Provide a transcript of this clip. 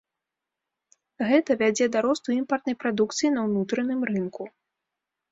Гэта вядзе да росту імпартнай прадукцыі на ўнутраным рынку.